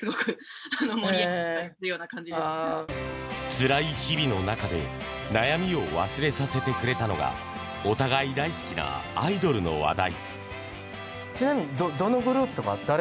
つらい日々の中で悩みを忘れさせてくれたのがお互い大好きなアイドルの話題。